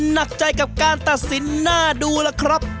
หนักใจกับการตัดสินหน้าดูล่ะครับ